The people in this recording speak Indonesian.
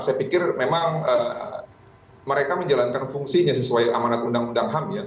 saya pikir memang mereka menjalankan fungsinya sesuai amanat undang undang ham ya